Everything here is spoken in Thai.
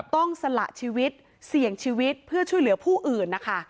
สละชีวิตเสี่ยงชีวิตเพื่อช่วยเหลือผู้อื่นนะคะ